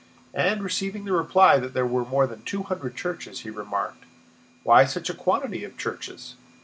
And receiving the reply that there were more than two hundred churches, he remarked: "Why such a quantity of churches?"